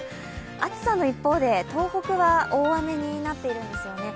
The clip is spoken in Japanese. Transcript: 暑さの一方で、東北は大雨になっているんですよね。